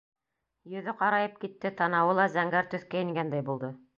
Йөҙө ҡарайып китте, танауы ла зәңгәр төҫкә ингәндәй булды.